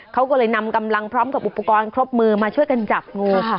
เขาก็เลยนำกำลังพร้อมกับอุปกรณ์ครบมือมาช่วยกันจับงูค่ะ